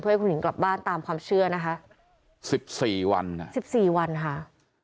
ให้คุณหญิงกลับบ้านตามความเชื่อนะคะสิบสี่วันค่ะสิบสี่วันค่ะ